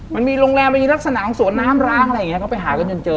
มันมีโรงแรมมันมีลักษณะของสวนน้ำร้างอะไรอย่างนี้เขาไปหากันจนเจอ